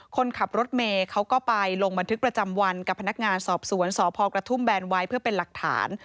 คนขับรถเมย์เขาก็ไปลงบันทึกประจำวันกับพนักงานสอบสวนสพกระทุ่มแบนไว้เพื่อเป็นหลักฐาน